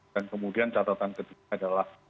dan kemudian catatan ketiga adalah